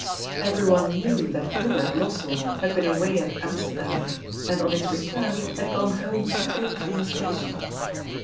Everyone knew that Hubert Lossell had been away at Amsterdam, and on his return, had gone home straight from the station.